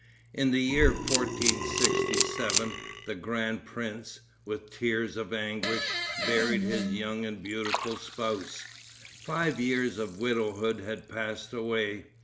In the year 1467, the grand prince, with tears of anguish, buried his young and beautiful spouse. Five years of widowhood had passed away.